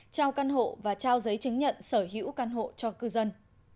trao căn hộ và trao giấy chứng nhận sở hữu căn hộ cho cư dân